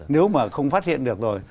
nếu mà không phát hiện được rồi